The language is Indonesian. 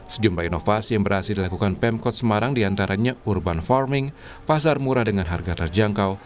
sejumlah inovasi yang berhasil dilakukan pemkot semarang diantaranya urban farming pasar murah dengan harga terjangkau